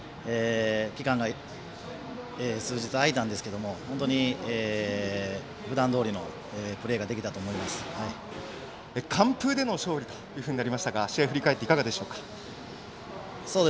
期間が数日、開いたんですが普段どおりのプレーが完封での勝利というふうになりましたが、試合振り返っていかがでしょうか？